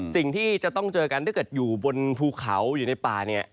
สิ่งที่จะต้องเจอกันถ้าเกิดอยู่บนภูเขาอยู่ในป่าเนี่ย